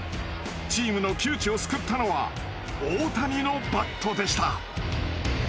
チームの窮地を救ったのは大谷のバットでした。